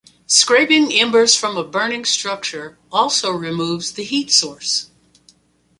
Scraping embers from a burning structure also removes the heat source.